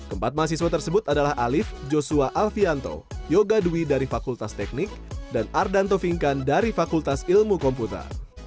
empat mahasiswa tersebut adalah alif joshua alfianto yoga dwi dari fakultas teknik dan ardanto fingkan dari fakultas ilmu komputer